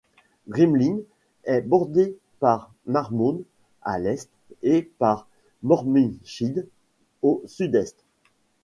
Greenhill est bordé par Marchmont, à l'est, et par Morningside au sud-est.